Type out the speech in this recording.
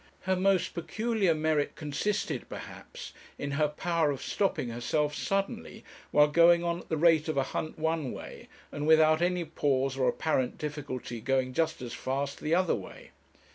Her most peculiar merit consisted, perhaps, in her power of stopping herself suddenly, while going on at the rate of a hunt one way, and without any pause or apparent difficulty going just as fast the other way.